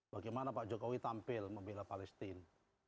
bagaimana pak jokowi tampil membela palestine